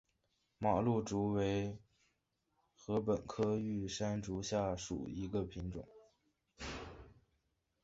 马鹿竹为禾本科玉山竹属下的一个种。